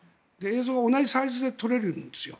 映像は同じサイズで撮れるんですよ。